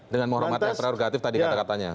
dengan menghormatkan prerogatif tadi kata katanya